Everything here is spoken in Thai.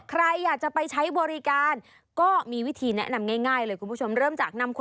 ใครอยากจะไปใช้บริการก็มีวิธีแนะนำง่ายเลยคุณผู้ชม